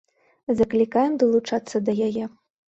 Заклікаем далучацца да яе.